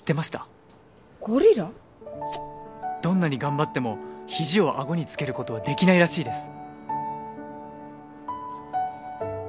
「どんなに頑張っても肘をあごにつけることはできないらしいです」